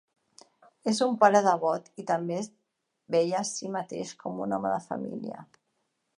És un pare devot i també es veia a sí mateix com un home de família.